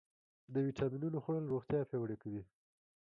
د ویټامینونو خوړل روغتیا پیاوړې کوي.